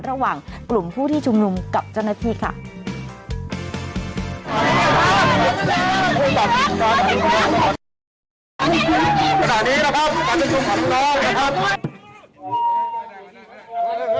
ขณะนี้นะครับมันจะช่วยผ่านตลอดนะครับ